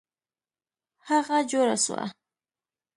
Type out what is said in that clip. هغه جوړه سوه.